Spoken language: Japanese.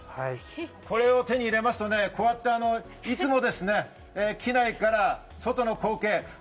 これを手に入れますと、いつも機内から外の光景。